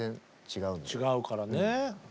違うからね。